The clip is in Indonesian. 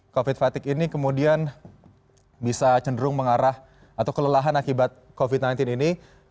covid fatigue ini kemudian bisa cenderung mengarah atau kelelahan akibat covid sembilan belas ini